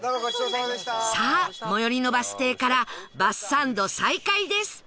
さあ最寄りのバス停からバスサンド再開です